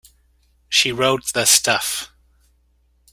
She wrote the stuff.